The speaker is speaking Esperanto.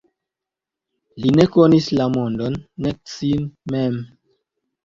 Li ne konis la mondon nek sin mem?